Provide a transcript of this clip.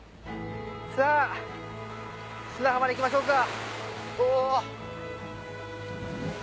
さぁ砂浜に行きましょうか。